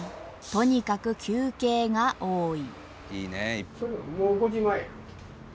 とにかく休憩が多い。